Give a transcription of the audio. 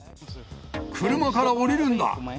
車から降りるんだ。